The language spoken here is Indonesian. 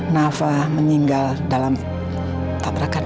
nafa meninggal dalam tabrakan